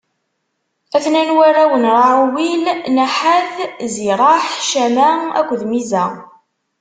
A-ten-an warraw n Raɛuwil: Naḥat, Ziraḥ, Cama akked Miza.